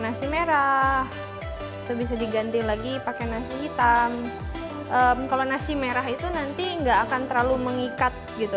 nasi merah itu bisa diganti lagi pakai nasi hitam kalau nasi merah itu nanti nggak akan terlalu mengikat gitu